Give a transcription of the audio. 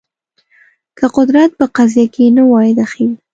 که قدرت په قضیه کې نه وای دخیل